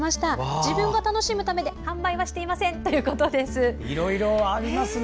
自分が楽しむためで販売はしていませんいろいろありますね。